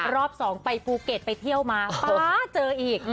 รอบสองไปภูเก็ตไปเที่ยวมาป๊าเจออีก